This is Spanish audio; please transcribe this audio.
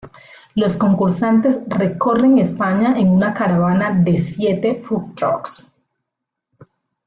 Los concursantes recorren España en una caravana de siete "Food trucks".